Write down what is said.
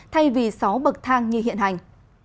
thay vì sáu bậc thang như hiện hành